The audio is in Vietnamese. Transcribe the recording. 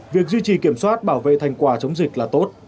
việc duy trì kiểm soát bảo vệ thành quả chống dịch là tốt